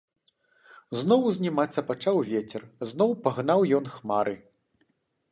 Зноў узнімацца пачаў вецер, зноў пагнаў ён хмары.